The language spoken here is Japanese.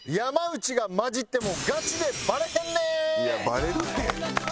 いやバレるって。